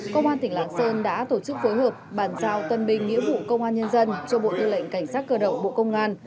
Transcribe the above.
công an tỉnh lạng sơn đã tổ chức phối hợp bàn giao tân binh nghĩa vụ công an nhân dân cho bộ tư lệnh cảnh sát cơ động bộ công an